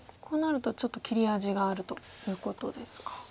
こうなるとちょっと切り味があるということですか。